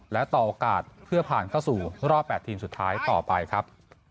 และต่อโอกาสเพื่อผ่านเข้าสู่รอบ๘ทีมสุดท้ายต่อไปครับ